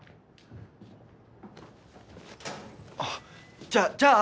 あっじゃじゃあ